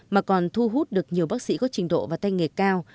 mà còn thu hút được nhiều bác sĩ có trình độ và tay nghề cao